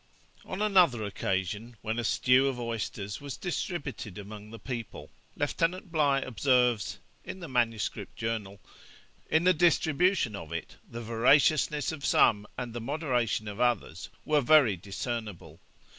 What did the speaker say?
On another occasion, when a stew of oysters was distributed among the people, Lieutenant Bligh observes (in the MS. Journal), 'In the distribution of it, the voraciousness of some and the moderation of others were very discernible.